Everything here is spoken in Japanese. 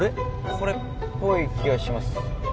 これっぽい気がします。